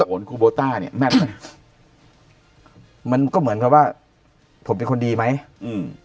โอนครูโบต้าเนี้ยแม่นไหมมันก็เหมือนกับว่าผมเป็นคนดีไหมอืม